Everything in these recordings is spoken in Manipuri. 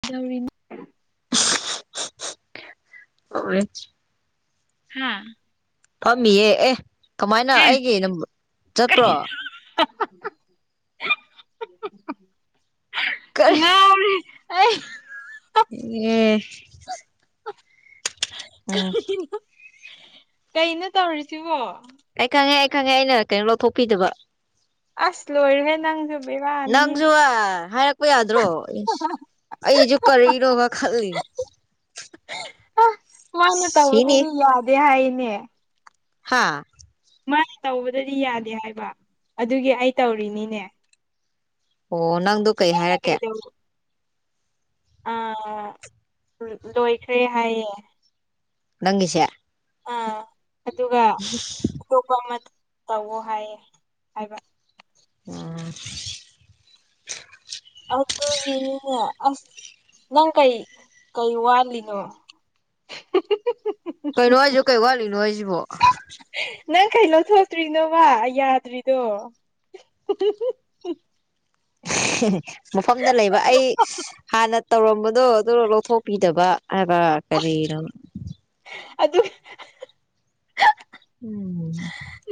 [unintelligible] ꯀꯣꯔꯦꯠꯁ꯫ ꯍꯥꯥ꯫ ꯐꯝꯃꯤꯌꯦ ꯑꯦ ꯀꯃꯥꯏꯅ ꯑꯦ ꯑꯩꯒꯤ ꯆꯠꯄ꯭ꯔꯣ꯫ ꯀꯩ ꯀꯔꯤ ꯉꯥꯎꯔꯦ ꯑꯩ꯫ ꯏꯌꯦ ꯎꯝ꯫ ꯀꯩꯅꯣ ꯇꯧꯔꯤꯁꯤꯕꯣ꯫ ꯑꯩ ꯈꯪꯉꯦ ꯑꯩ ꯈꯪꯉꯦ ꯑꯩꯅ ꯀꯩꯅꯣ ꯂꯧꯊꯣꯛꯄꯤꯗꯕ꯫ ꯑꯁ ꯂꯣꯏꯔꯦꯍꯦ ꯅꯪꯁꯨ ꯕꯦꯔꯥꯅꯤꯍꯦ ꯅꯪꯖꯨ ꯍꯥꯏꯔꯛꯄ ꯌꯥꯗ꯭ꯔꯣ ꯏꯁ꯫ ꯑꯩꯖꯨ ꯀꯔꯦꯔꯣꯒ ꯈꯠꯂꯤ꯫ ꯑ ꯃꯥꯅ ꯁꯤꯅꯤ ꯇꯧꯕꯗꯗꯤ ꯌꯥꯗꯦ ꯍꯥꯏꯅꯦ꯫ ꯍꯥꯥ꯫ ꯃꯥꯅ ꯇꯧꯕꯗꯗꯤ ꯌꯥꯗꯦ ꯍꯥꯏꯕ ꯑꯗꯨꯒꯤ ꯑꯩ ꯇꯧꯔꯤꯅꯤꯅꯦ꯫ ꯑꯣ ꯅꯪꯗꯨ꯫ ꯑ ꯂꯣꯏꯈ꯭ꯔꯦ ꯍꯥꯏꯌꯦ꯫ ꯅꯪꯒꯤꯁꯦ꯫ ꯑꯥ ꯑꯗꯨꯒ ꯑꯇꯣꯞꯄ ꯑꯃ ꯇꯧꯋꯣ ꯍꯥꯏꯌꯦ ꯍꯥꯏꯕ꯫ ꯎꯝ꯫ ꯑꯗꯨꯒꯤꯅꯤꯅꯦ ꯑꯁ ꯅꯪ ꯀꯩꯔꯤ ꯀꯩ ꯋꯥꯠꯂꯤꯅꯣ꯫ [unintelligible] ꯀꯩꯅꯣ ꯍꯥꯖꯦ ꯀꯩ ꯋꯥꯠꯂꯤꯅꯣ ꯍꯥꯏꯖꯤꯕꯣ꯫ ꯅꯪ ꯀꯩꯂꯧꯊꯣꯛꯇ꯭ꯔꯤꯅꯣꯕ ꯌꯥꯗ꯭ꯔꯤꯗꯣ꯫ ꯃꯐꯝꯗ ꯂꯩꯕ ꯑꯩ ꯍꯥꯟꯅ ꯇꯧꯔꯝꯕꯗꯣ ꯑꯗꯨ ꯂꯧꯊꯣꯛꯄꯤꯗꯕ ꯍꯥꯏꯕ ꯀꯔꯤꯅꯣ ꯑꯗꯨ ꯎꯝ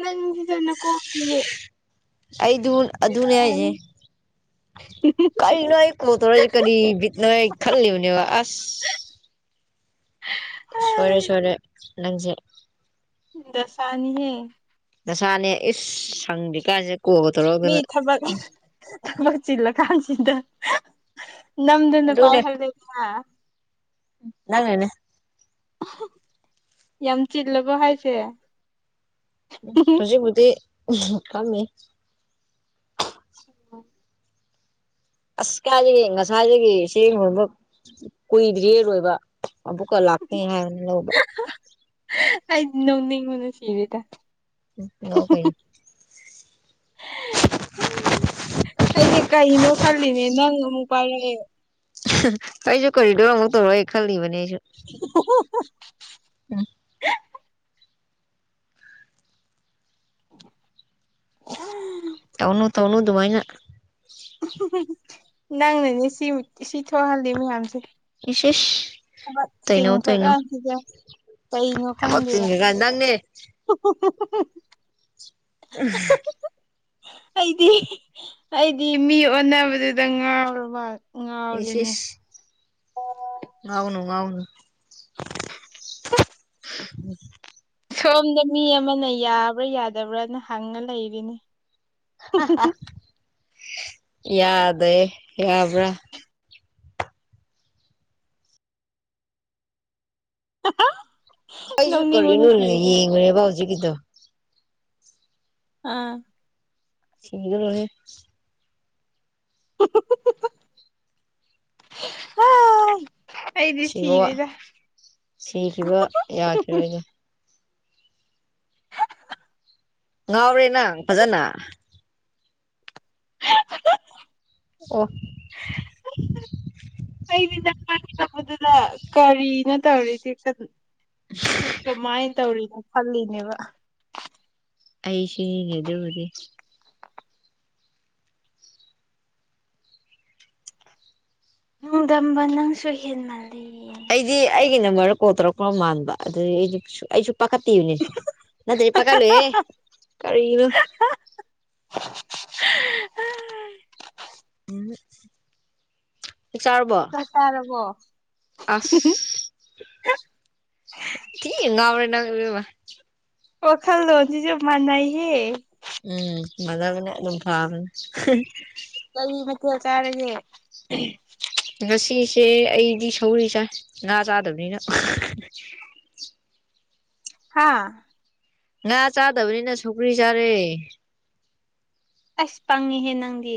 ꯅꯪꯖꯅ ꯀ ꯍꯇꯅꯤ ꯑꯩꯗꯨ ꯑꯗꯨꯅꯦ ꯍꯥꯏꯅꯦ ꯀꯔꯤꯅꯣ ꯑꯩ ꯀꯣꯠꯇꯧꯔꯁꯤꯦ ꯀꯔꯤ ꯕꯤꯠꯅꯣ ꯑꯩ ꯈꯜꯂꯤꯕꯅꯦꯕ ꯑꯁ ꯍ ꯁꯣꯔꯦ ꯁꯣꯔꯦ ꯅꯪꯁꯦ ꯗꯁꯥꯅꯤ ꯍꯦ ꯅꯁꯥꯅꯦ ꯏꯁ ꯁꯪꯗꯀꯥꯁꯦ ꯀꯣꯕꯗ ꯃꯤ ꯊꯕꯛ ꯊꯄ ꯆꯤꯜꯂ ꯈꯥꯟ ꯆꯤꯟꯗ ꯅꯝꯗꯨ ꯅ ꯄꯥꯏ ꯍꯥꯏꯗꯕꯌꯥ ꯅꯪꯦꯅꯦ ꯌꯥꯝ ꯆꯤꯜꯂꯕꯣ ꯍꯥꯏꯁꯦ ꯍꯨꯖꯤꯛꯕꯨꯗꯤ ꯈꯝꯃꯤ ꯑꯣ ꯑꯁ ꯀꯥꯔꯤ ꯉꯁꯥꯏꯗꯒꯤ ꯁꯦꯡ ꯍꯨꯝꯕ ꯀꯨꯏꯗꯔꯤꯌꯦ ꯂꯣꯏꯕ ꯑꯃꯨꯛꯀ ꯂꯥꯛꯀꯅꯤ ꯍꯥꯏꯕꯅꯦ ꯂꯧꯕ ꯑꯩ ꯅꯣꯛꯅꯤꯡꯕꯅ ꯁꯤꯔꯦꯗ ꯅꯣ ꯀꯩ [unintelligible] ꯑꯩꯗꯤ ꯀꯩꯅꯣ ꯈꯜꯂꯤꯅꯦ ꯅꯪ ꯑꯃꯨꯛ ꯄꯥꯏꯔꯛꯑꯦ ꯑꯩꯁꯨ ꯀꯔꯤꯗꯔ ꯑꯃꯨꯛ ꯇꯧꯔ ꯈꯜꯂꯤꯕꯅꯦ ꯑꯩꯁꯨ [unintelligible] ꯎꯝ [unintelligible] ꯇꯧꯅ ꯇꯧꯅꯨ ꯑꯗꯨꯃꯥꯏꯅ ꯅꯪꯅꯅꯦ ꯁꯤ ꯁꯤ ꯊꯣꯛꯍꯜꯂꯤ ꯃꯌꯥꯝꯁꯦ ꯏꯁ ꯏꯁ ꯊꯕꯛ ꯇꯩꯅꯧ ꯆꯤꯡꯈ꯭ꯔ ꯇꯩꯅꯧ ꯀꯥꯟꯁꯤꯗ ꯀꯩꯅꯣ ꯊꯕꯛ ꯈꯪꯗꯦꯕ ꯆꯤꯟꯒ꯭ꯔꯀꯥꯟ ꯅꯪꯅꯦ [unintelligible] [unintelligible] ꯑꯩꯗꯤ ꯑꯩꯗꯤ ꯃꯤ ꯑꯣꯟꯅꯕꯗꯨꯗ ꯉꯥꯎꯔꯕ ꯏꯁꯁ ꯉꯥꯎꯔꯦꯅꯦ ꯏꯁꯁ ꯉꯥꯎꯅꯨ ꯉꯥꯎꯅꯨ ꯁꯣꯝꯗ ꯃꯤ ꯑꯃꯅ ꯌꯥꯕ꯭ꯔꯥ ꯌꯥꯗꯕ꯭ꯔꯅ ꯍꯪꯉ ꯂꯩꯔꯤꯅꯤ ꯌꯥꯗꯦ ꯌꯥꯕ꯭ꯔꯥ [unintelligible] ꯑꯩꯁꯨ ꯅꯣꯛꯅꯤꯡꯕꯅ ꯀꯔꯤꯅꯣꯅꯦ ꯁꯤꯔꯦꯗ ꯌꯦꯡꯕꯅꯦꯕꯥ ꯍꯧꯖꯤꯛꯀꯤꯗꯣ ꯑꯥ [unintelligible] [unintelligible] ꯑꯩꯗꯤ ꯁꯤꯕ ꯁꯤꯔꯦꯗ ꯁꯤꯈꯤꯕ [unintelligible] ꯌꯥꯈꯤꯔꯣꯏꯅꯦ ꯉꯥꯎꯔꯦ ꯅꯪ ꯐꯖꯅ ꯑꯣ ꯑꯩꯗꯤ ꯅꯪ ꯄꯥꯏꯃꯤꯟꯅꯕꯗꯨꯗ ꯀꯔꯤꯅꯣ ꯇꯧꯔꯤꯗꯤ ꯀꯃꯥꯏꯟ ꯇꯧꯔꯤꯅꯣ ꯈꯜꯂꯤꯅꯦꯕ ꯑꯩꯁꯤꯅꯤꯅꯥ ꯑꯗꯨꯕꯤꯗꯤ ꯅꯨꯡꯗꯝꯝꯕ ꯅꯪꯁꯨ ꯍꯦꯟꯃꯜꯂꯤ ꯑꯩꯗꯤ ꯑꯩꯒꯤ ꯅꯝꯕꯔꯗ ꯀꯣꯜ ꯇꯧꯔꯛꯄ꯭ꯔ ꯃꯥꯟꯕ ꯑꯗꯨꯗꯤ ꯑꯩꯗꯤ ꯑꯩꯁꯨ ꯄꯀꯠꯇꯤꯌꯨꯅꯦ ꯅꯠꯇ꯭ꯔꯗꯤ ꯄꯈꯠꯂꯣꯏꯍꯦ ꯀꯔꯤꯅꯨ [unintelligible] ꯆꯥꯛ ꯆꯔꯕꯣ ꯆꯥꯛ ꯆꯥꯔꯕꯣ ꯑꯁ ꯊꯤꯟ ꯉꯥꯎꯔꯦ ꯅꯪ ꯋꯥꯈꯜꯂꯣꯟꯁꯤꯁꯨ ꯃꯥꯟꯅꯩꯍꯦ ꯎꯝ ꯃꯥꯅꯕꯅꯦ ꯑꯗꯨꯝ ꯐꯥꯕꯅꯦ ꯀꯔꯤ ꯃꯊꯦꯜ ꯆꯥꯔꯒꯦ ꯑꯍꯝ ꯉꯁꯤꯁꯦ ꯑꯩꯗꯤ ꯁꯧꯒꯔꯤ ꯆꯥꯏ ꯉꯥ ꯆꯥꯗꯕꯅꯤꯅ ꯍꯥꯥ ꯉꯥ ꯆꯥꯗꯕꯅꯤꯅ ꯁꯧꯒꯔꯤ ꯆꯥꯔꯦ ꯑꯁ ꯄꯪꯉꯤꯍꯦ ꯅꯪꯗꯤ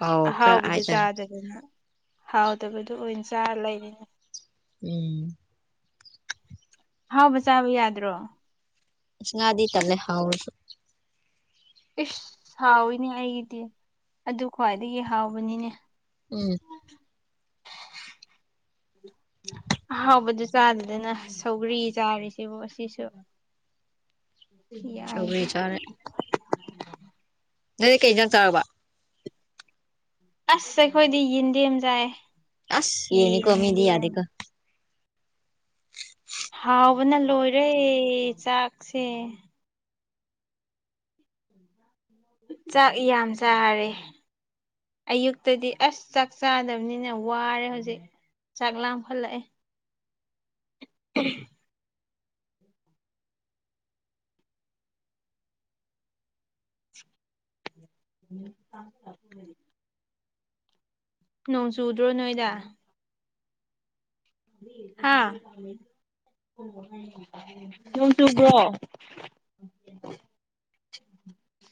ꯀꯥꯎꯈ꯭ꯔꯥ ꯑꯍꯥꯎꯕꯗꯨ ꯍꯥꯏꯇꯥꯔꯦ ꯆꯥꯗ ꯗꯅ ꯍꯥꯎꯇꯕꯗꯨ ꯑꯣꯏꯅ ꯆꯥꯔ ꯂꯩꯔꯤꯅꯦ ꯎꯝ ꯑꯍꯥꯎꯕ ꯆꯥꯕ ꯌꯥꯗ꯭ꯔꯣ ꯏꯁ ꯉꯥꯗꯤ ꯇꯜꯂꯦ ꯍꯥꯎꯔꯣꯏ ꯏꯁ ꯍꯥꯎꯋꯤꯅꯦ ꯑꯩꯗꯤ ꯑꯗꯨ ꯈ꯭ꯋꯥꯏꯗꯒꯤ ꯍꯥꯎꯕꯅꯤꯅꯦ ꯎꯝ ꯑꯍꯥꯎꯕꯗꯨ ꯆꯥꯗꯗꯅ ꯁꯧꯒ꯭ꯔꯤ ꯆꯥꯔꯤꯁꯤꯕ ꯑꯁꯤꯁꯨ ꯁꯧꯒ꯭ꯔꯤ ꯌꯥꯏꯍꯦ ꯆꯥꯔꯦ ꯅꯣꯏ ꯀꯩ ꯑꯦꯟꯖꯥꯡ ꯆꯥꯔꯕ ꯑꯁ ꯑꯩꯈꯣꯏꯗꯤ ꯌꯦꯟꯗꯦꯝ ꯆꯥꯏ ꯑꯁ ꯌꯦꯅꯤ ꯀꯣ ꯃꯤꯗꯤ ꯌꯦꯟꯗꯦꯝ ꯌꯥꯗꯦꯀꯣ ꯕꯅ ꯂꯣꯏꯔꯦ ꯆꯥꯛꯁꯦ [inaudible] ꯆꯥꯛ ꯌꯥꯝ ꯆꯥꯔꯦ ꯑꯌꯨꯛꯇꯗꯤ ꯑꯁ ꯆꯥꯛ ꯆꯥꯗꯕꯅꯤꯅ ꯋꯥꯔꯦ ꯍꯧꯖꯤꯛ ꯆꯥꯛ ꯂꯥꯃꯈꯠꯂꯛꯑꯦ [inaudible] [inaudible] ꯅꯣꯡ ꯆꯨꯗ꯭ꯔꯣ ꯅꯣꯏꯗ ꯍꯥ ꯅꯣꯡ ꯆꯨꯕ꯭ꯔꯣ